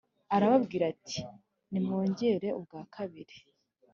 Arababwira ati “Nimwongere ubwa kabiri”